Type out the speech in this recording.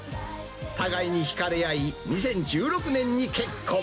互いにひかれ合い、２０１６年に結婚。